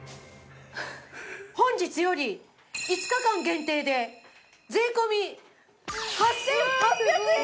本日より５日間限定で税込８８００円です！